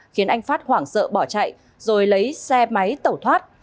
khiến anh phát hoảng sợ bỏ chạy rồi lấy xe máy tẩu thoát